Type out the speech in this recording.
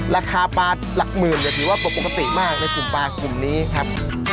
ราคาปลาหลักหมื่นเนี่ยถือว่าปกติมากในกลุ่มปลากลุ่มนี้ครับ